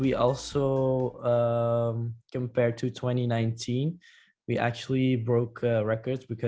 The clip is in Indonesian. kita sebenarnya membuat perhitungan karena